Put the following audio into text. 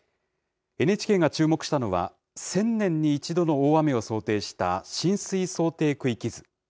ＮＨＫが注目したのは、１０００年に１度の大雨を想定した浸水想定区域図。